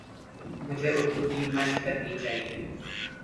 مجھے اردو کی مَشق کرنی چاہیے